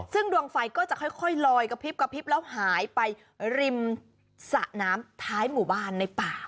ซึ่งดวงไฟก็จะค่อยลอยกระพริบกระพริบแล้วหายไปริมสะน้ำท้ายหมู่บ้านในป่า